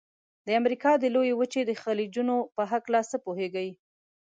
د امریکا د لویې وچې د خلیجونو په هلکه څه پوهیږئ؟